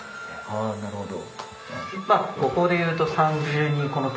あなるほど。